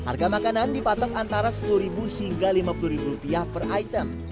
harga makanan dipatok antara sepuluh hingga rp lima puluh per item